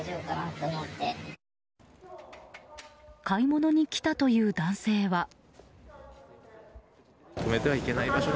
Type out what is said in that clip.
買い物に来たという男性は。